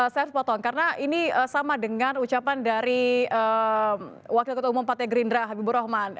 saya harus potong karena ini sama dengan ucapan dari wakil ketua umum partai gerindra habibur rahman